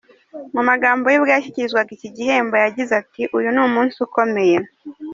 Mu magambo ye ubwo yashyikirizwaga iki gihembo yagize ati”Uyu ni umunsi ukomeye.